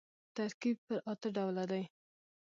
ترکیب پر اته ډوله دئ.